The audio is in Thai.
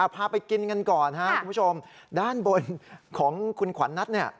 พาไปกินกันก่อนด้านบนของคุณขวานัท